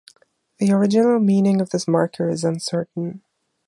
The original meaning of this marker is uncertain.